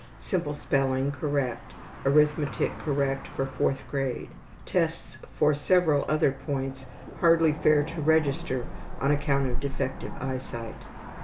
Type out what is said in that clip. Simple spelling correct. Arithmetic correct for 4th grade. Tests for several other points hardly fair to register on account of defective eyesight.